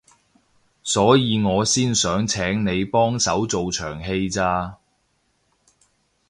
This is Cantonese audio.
所以我先想請你幫手做場戲咋